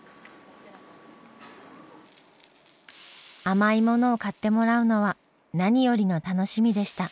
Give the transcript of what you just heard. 甘いものを買ってもらうのは何よりの楽しみでした。